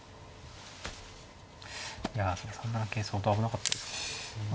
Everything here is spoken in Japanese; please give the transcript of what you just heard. いや３七桂相当危なかったですか。